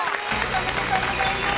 おめでとうございます。